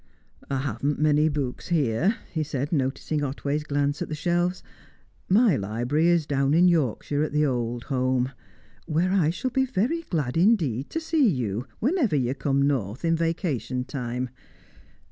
"I haven't many books here," he said, noticing Otway's glance at the shelves. "My library is down in Yorkshire, at the old home; where I shall be very glad indeed to see you, whenever you come north in vacation time.